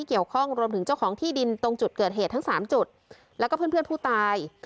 ที่เกี่ยวข้องรวมถึงเจ้าของที่ดินตรงจุดเกิดเหตุทั้งสามจุดแล้วก็เพื่อนเพื่อนผู้ตาย